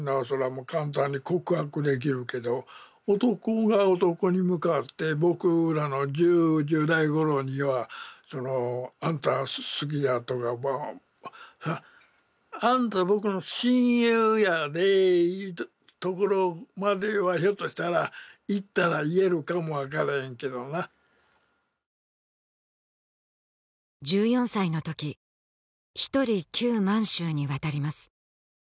もう簡単に告白できるけど男が男に向かって僕らの１０代頃にはあんた好きだとかあんた僕の親友やでいうところまではひょっとしたらいったら言えるかもわからへんけどな１４歳の時ひとり旧満州に渡ります